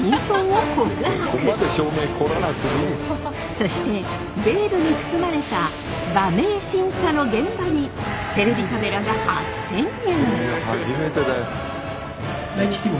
そしてベールに包まれた馬名審査の現場にテレビカメラが初潜入！